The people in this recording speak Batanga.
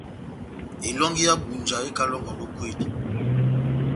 Elɔnji yá Ebunja ekalɔngɔndi ó kwedi.